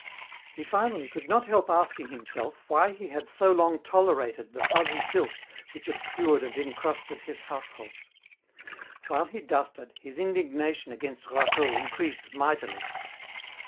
He finally could not help asking himself why he had so long tolerated the fuzzy filth which obscured and incrusted his household. While he dusted, his indignation against Rateau increased mightily.